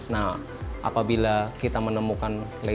nah apabila kita menemukan kanker kulit